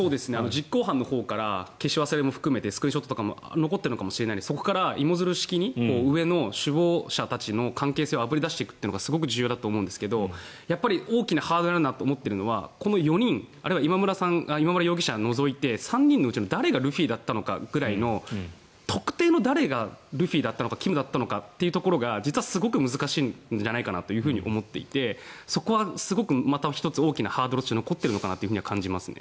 実行犯のほうから消し忘れも含めてスクリーンショットとかも残っているのかもしれないのでそこから芋づる式に上の首謀者たちの関係性をあぶり出していくということがすごく重要だと思うんですが大きなハードルだと思っているのがこの４人、あるいは今村容疑者を除いて３人のうちの誰がルフィだったのかぐらいの特定の誰がルフィだったのかキムだったのかというところが実はすごく難しいんじゃないかなと思っていてそこはすごくまた１つ大きなハードルとして残っているのかなと感じます。